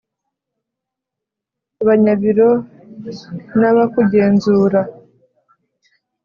Abanyabiro n’abakugenzura,